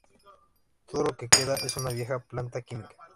Todo lo que queda es una vieja planta química.